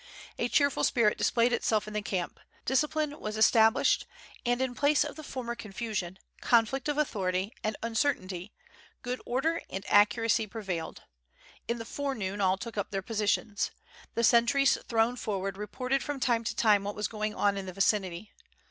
A cheerful spirit displayed itself in the camp; discipline was established, and in place of the former confusion, conflict of authority, and uncertainty, good order and accuracy pre vailed. In the forenoon all took up their positions. The sentries thrown forward reported from time to time what was going on in the vicinity.